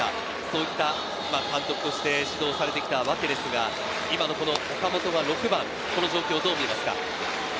そういった監督として指導されてきたわけですが、今のこの岡本が６番この状況をどう見ますか？